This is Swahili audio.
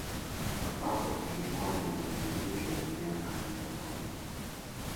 ambapo ilikuwa ni maadhimisho ya miaka mia moja